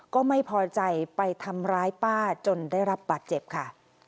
ก็ไม่พอใจไปทำร้ายป้าจนได้รับบาดเจ็บค่ะ